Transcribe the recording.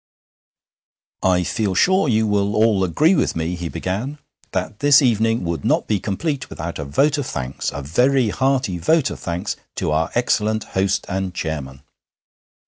'I feel sure you will all agree with me,' he began, 'that this evening would not be complete without a vote of thanks a very hearty vote of thanks to our excellent host and chairman.'